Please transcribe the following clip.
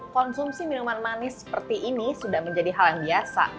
konsumsi minuman manis seperti ini sudah menjadi hal yang biasa